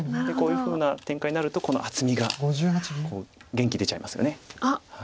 こういうふうな展開になるとこの厚みが元気出ちゃいますよね。